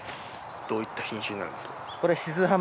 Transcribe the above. どういった品種になるんですか？